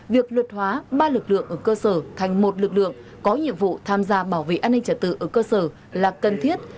việc luật hóa ba lực lượng ở cơ sở thành một lực lượng có nhiệm vụ tham gia bảo vệ an ninh trật tự ở cơ sở là cần thiết